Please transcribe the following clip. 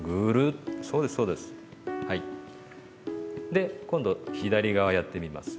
で今度左側やってみます。